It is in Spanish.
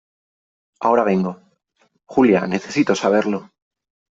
ahora vengo . Julia , necesito saberlo .